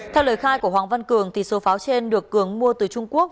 theo lời khai của hoàng văn cường thì số pháo trên được cường mua từ trung quốc